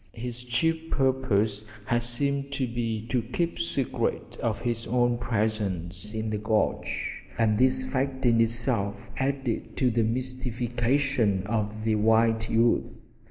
His chief purpose had seemed to be to keep secret his own presence in the gorge, and this fact in itself added to the mystification of the white youth.